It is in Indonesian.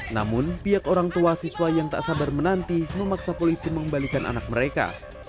namun pihak orang tua siswa yang tak sabar menanti memaksa polisi mengembalikan anak mereka